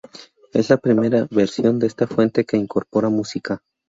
Es la primera versión de esta fuente que incorpora música.